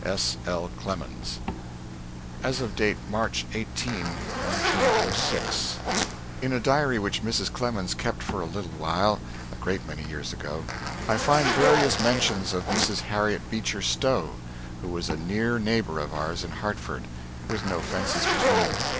S. L. CLEMENS. As of date March 18, 1906.... In a diary which Mrs. Clemens kept for a little while, a great many years ago, I find various mentions of Mrs. Harriet Beecher Stowe, who was a near neighbor of ours in Hartford, with no fences between.